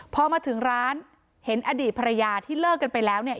พอมาถึงร้านเห็นอดีตภรรยาที่เลิกกันไปแล้วเนี่ย